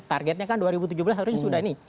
targetnya kan dua ribu tujuh belas harusnya sudah nih